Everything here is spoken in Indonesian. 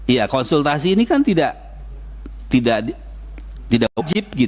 ya konsultasi ini kan tidak wajib